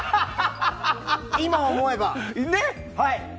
今思えば。